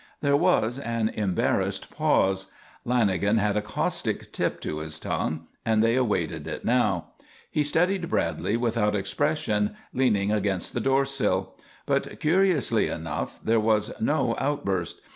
There was an embarrassed pause. Lanagan had a caustic tip to his tongue and they awaited it now. He studied Bradley without expression, leaning against the door sill. But, curiously enough, there was no outburst.